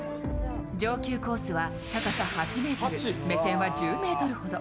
上級コースは高さ８ｍ、目線は１０ｍほど。